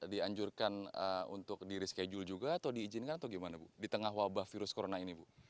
dianjurkan untuk di reschedule juga atau diizinkan atau gimana bu di tengah wabah virus corona ini bu